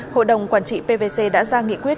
hội đồng quản trị pvc đã ra nghị quyết